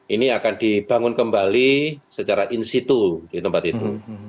ini akan dibangun kembali secara institu di tempat itu